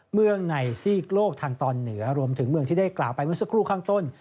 เมืองในซีกโลกทางตอนเหนือรวมถึงเมืองที่ได้กล่าวไปเมื่อสักครู่ข้างต้น